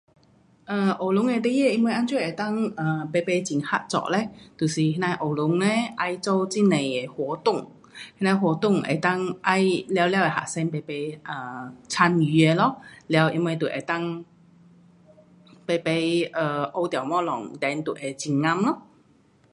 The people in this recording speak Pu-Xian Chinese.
um 学校的事情，因为怎样能够排排很合作嘞，就是我们学校的要做很多活动，那样的活动能够要全部的学生排排参与的咯。了，他们就能够排排 um 学到东西。then 就会很合咯。